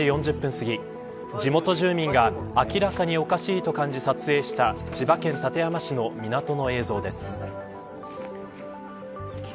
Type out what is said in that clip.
すぎ地元住民が明らかにおかしいと感じ撮影した千葉県館山市の港の映像です。